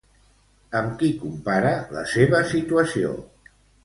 Amb qui compara la seva situació?